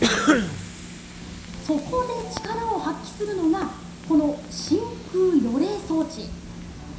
そこで力を発揮するのが、この真空予冷装置。